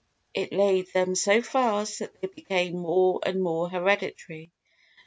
It laid them so fast that they became more and more hereditary.